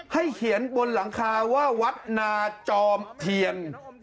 ให้เขียนบนหลังคาว่าวัดนาจอมเทียน